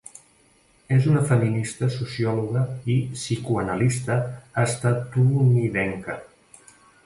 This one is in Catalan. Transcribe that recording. És una feminista, sociòloga, i psicoanalista estatunidenca.